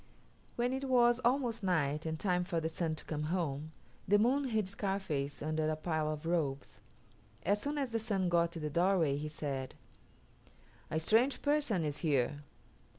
When it was almost night, and time for the Sun to come home, the Moon hid Scarface under a pile of robes. As soon as the Sun got to the doorway he said, "A strange person is here."